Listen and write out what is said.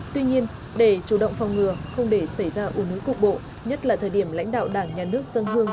tuy nhiên để chủ động phòng ngừa không để xảy ra ủn hướng cục bộ nhất là thời điểm lãnh đạo đảng nhà nước sơn hương